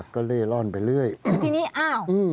ก็เล่ล่อนไปเลยครับ